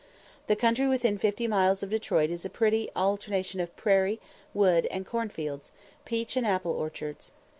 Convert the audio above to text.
The country within fifty miles of Detroit is a pretty alternation of prairie, wood, corn fields, peach and apple orchards.